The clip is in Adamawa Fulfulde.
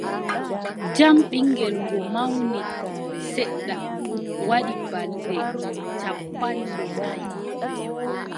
Jam ɓiŋngel goo mawni seeɗa, waɗi balɗe cappanɗe nayi.